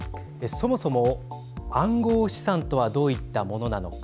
そもそも暗号資産とはどういったものなのか。